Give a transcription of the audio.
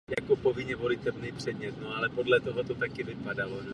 Jak všichni víme, regulatorní systém se zhroutil na celém světě.